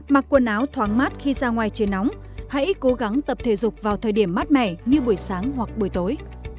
mặc quần áo thoáng mát khi ra ngoài trên nóng hãy cố gắng tập thể dục vào thời điểm mát mẻ như buổi sáng hoặc buổi tối